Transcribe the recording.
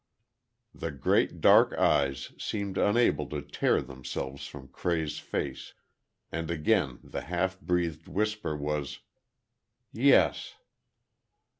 The great dark eyes seemed unable to tear themselves from Cray's face, and again the half breathed whisper was, "yes."